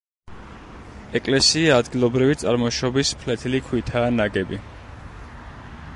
ეკლესია ადგილობრივი წარმოშობის ფლეთილი ქვითაა ნაგები.